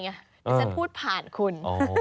ต้องพูดผ่านคุณ